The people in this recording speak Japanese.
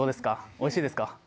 おいしいですか？